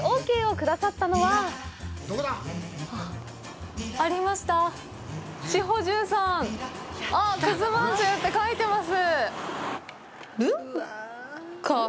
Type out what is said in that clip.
くずまんじゅうって書いてます。